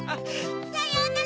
さようなら！